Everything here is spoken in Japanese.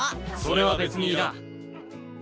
それは別にいらん。